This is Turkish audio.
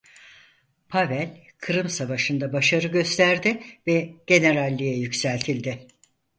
Pavel Kırım Savaşı'nda başarı gösterdi ve generalliğe yükseltildi.